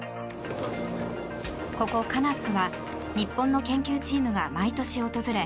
ここカナックは日本の研究チームが毎年訪れ